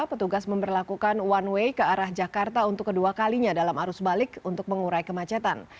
petugas memperlakukan one way ke arah jakarta untuk kedua kalinya dalam arus balik untuk mengurai kemacetan